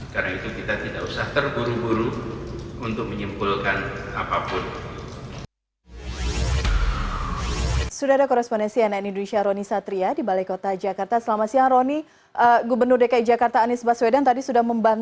karena itu kita tidak usah terburu buru untuk menyimpulkan apapun